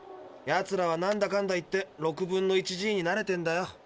やつらはなんだかんだ言って６分の１Ｇに慣れてんだよ。